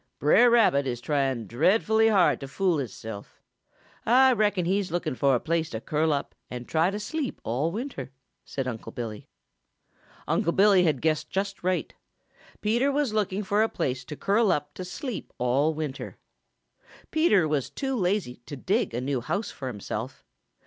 "Brer Rabbit is trying dreadful hard to fool hisself. Ah reckon he's looking fo' a place to curl up and try to sleep all winter," said Unc' Billy. Unc' Billy had guessed just right. Peter was looking for a place to curl up to sleep all winter. Peter was too lazy to dig a new house for himself.